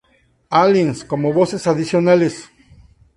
Aliens" como voces adicionales.